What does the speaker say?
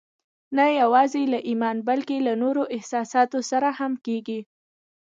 نه يوازې له ايمان بلکې له نورو احساساتو سره هم کېږي.